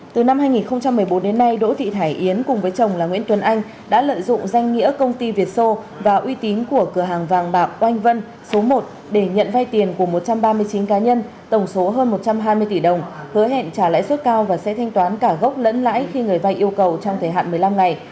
từ năm hai nghìn một mươi bốn đến nay đỗ thị hải yến cùng với chồng là nguyễn tuấn anh đã lợi dụng danh nghĩa công ty việt sô và uy tín của cửa hàng vàng bạc oanh vân số một để nhận vay tiền của một trăm ba mươi chín cá nhân tổng số hơn một trăm hai mươi tỷ đồng hứa hẹn trả lãi suất cao và sẽ thanh toán cả gốc lẫn lãi khi người vai yêu cầu trong thời hạn một mươi năm ngày